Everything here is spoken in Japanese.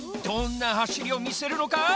どんなはしりをみせるのか！？